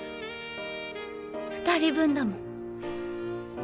２人分だもん。